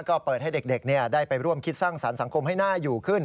ก็เปิดให้เด็กได้ไปร่วมคิดสร้างสรรคสังคมให้น่าอยู่ขึ้น